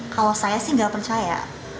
kalau saya sih nggak percaya